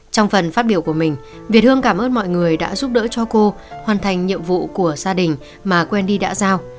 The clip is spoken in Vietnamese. trong phần phát biểu của mình việt hương cảm ơn mọi người đã giúp đỡ cho cô hoàn thành nhiệm vụ của gia đình mà quên đi đã giao